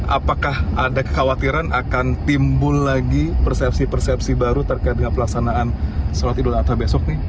apakah ada kekhawatiran akan timbul lagi persepsi persepsi baru terkait dengan pelaksanaan sholat idul adha besok nih